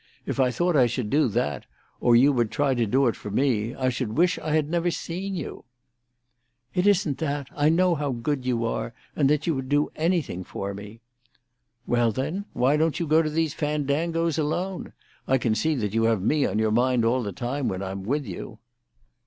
If I thought I should do that, or you would try to do it for me, I should wish I had never seen you." "It isn't that. I know how good you are, and that you would do anything for me." "Well, then, why don't you go to these fandangoes alone? I can see that you have me on your mind all the time, when I'm with you."